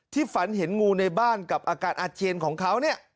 ฝันเห็นงูในบ้านกับอาการอาเจียนของเขาเนี่ย